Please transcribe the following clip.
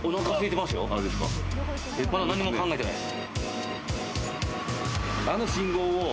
まだ何も考えてないです。